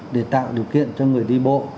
để tạo điều kiện cho người đi bộ